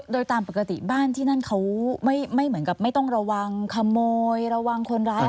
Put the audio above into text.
โดยตามปกติบ้านที่นั่นเขาไม่เหมือนกับไม่ต้องระวังขโมยระวังคนร้าย